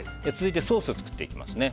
続いてソースを作っていきます。